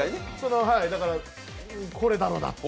だから、これだろうなと。